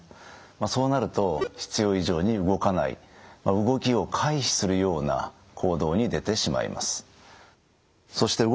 そうなると必要以上に動かない動きを回避するような行動に出てしまいます。